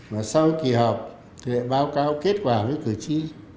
và sau kỳ họp thì lại báo cáo kết quả với cử tri